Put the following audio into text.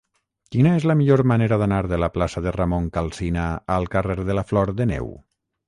Quina és la millor manera d'anar de la plaça de Ramon Calsina al carrer de la Flor de Neu?